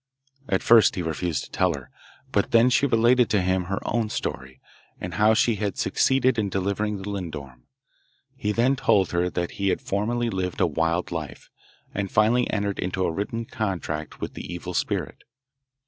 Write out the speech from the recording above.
At first he refused to tell her, but she then related to him her own story, and how she had succeeded in delivering the lindorm. He then told her that he had formerly lived a wild life, and had finally entered into a written contract * with the Evil Spirit.